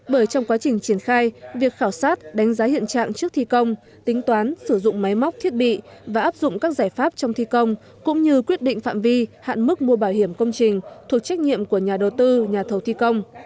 bởi trong quá trình triển khai việc khảo sát đánh giá hiện trạng trước thi công tính toán sử dụng máy móc thiết bị và áp dụng các giải pháp trong thi công cũng như quyết định phạm vi hạn mức mua bảo hiểm công trình thuộc trách nhiệm của nhà đầu tư nhà thầu thi công